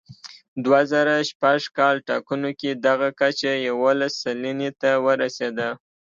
دوه زره شپږ کال ټاکنو کې دغه کچه یوولس سلنې ته ورسېده.